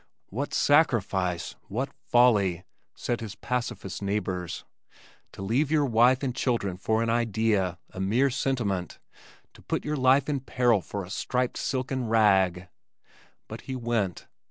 "What sacrifice! What folly!" said his pacifist neighbors "to leave your wife and children for an idea, a mere sentiment; to put your life in peril for a striped silken rag." But he went.